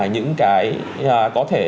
những cái có thể